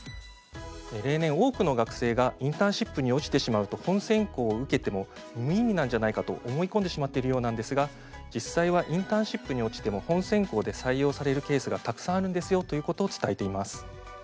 例年、多くの学生がインターンシップに落ちてしまうと本選考を受けても無意味なんじゃないかと思い込んでしまっているようなんですが実際はインターンシップに落ちても本選考で採用されるケースがたくさんあるんですよということを伝えています。